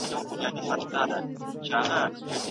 د علمونو ترمنځ اړیکې څیړل مهم دي.